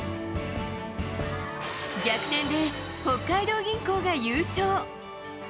逆転で北海道銀行が優勝。